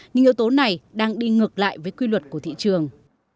nhưng yếu tố này đang đi ngược lại với quy luật của thị trường